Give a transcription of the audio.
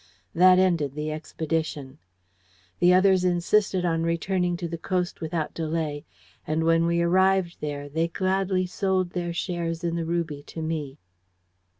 That ended the expedition. The others insisted on returning to the coast without delay, and when we arrived there they gladly sold their shares in the ruby to me."